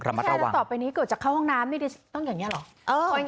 กดต่อไปนี้จะเข้าห้องน้ำต้องอย่างนี้หรอ